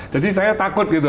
jadi saya takut gitu